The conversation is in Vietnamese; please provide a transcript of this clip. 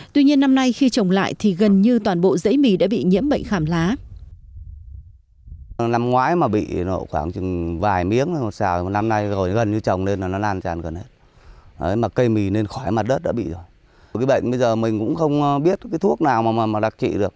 tuy nhiên năm nay khi trồng lại thì gần như toàn bộ dãy mì đã bị nhiễm bệnh khảm lá